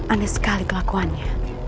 aneh sekali kelakuannya